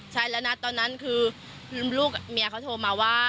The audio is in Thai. ใช่แล้วนะตอนนั้นคือลูกเมียเขาโทรมาว่า